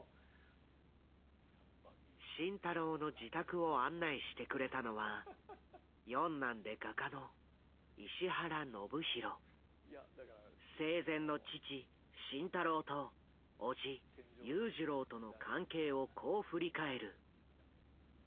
慎太郎の自宅を案内してくれたのは四男で画家の生前の父慎太郎と叔父裕次郎との関係をこう振り返る。